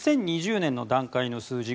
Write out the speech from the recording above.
２０２０年の段階の数字